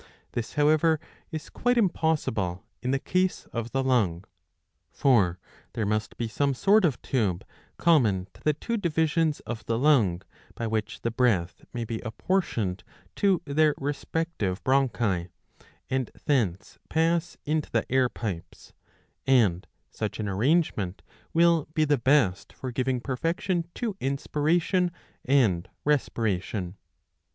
This however is quite impossible in the case of the lung. For there must be some sort of tube common to the two divisions of the lung, by which the breath may be apportioned to their respective bronchi, and thence pass into the air pipes ; and such an arrange ment will be the best for giving perfection to inspiration and respiration.